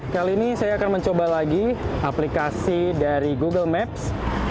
kali ini saya akan mencoba lagi aplikasi dari google maps